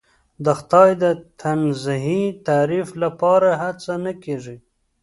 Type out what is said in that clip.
د خدای د تنزیهی تعریف لپاره هڅه نه کېږي.